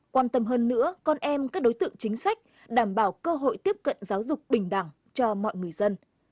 quan tâm hơn nữa con em các đối tượng chính sách đảm bảo cơ hội tiếp cận giáo dục bình đẳng cho mọi người dân